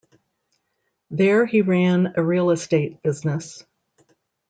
There he ran a real estate business.